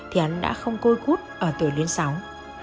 thì hắn đã không côi cút ở tuổi đến sáu